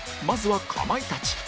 まずはかまいたち